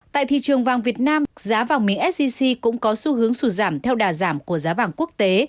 tại thị trường vàng việt nam giá vàng miếng sgc cũng có xu hướng sụt giảm theo đà giảm của giá vàng quốc tế